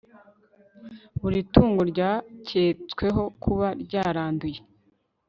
Buri tungo ryaketsweho kuba ryaranduye